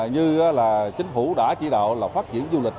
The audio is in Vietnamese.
như là chính phủ đã chỉ đạo là phát triển du lịch